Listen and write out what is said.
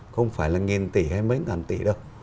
không phải là nghìn tỷ hay mấy ngàn tỷ đâu